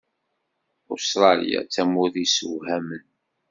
Ustṛalya d tamurt yessewhamen.